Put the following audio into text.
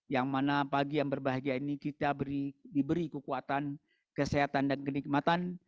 yang mana pagi yang berbahagia ini kita diberi kekuatan kesehatan dan kenikmatan